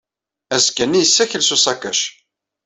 Azekka-nni, yessakel s usakac.